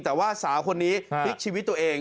แต่ว่าสาวคนนี้พลิกชีวิตตัวเอง